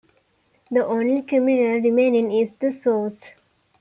The only terminal remaining is the source.